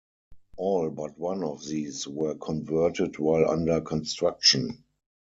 All but one of these were converted while under construction.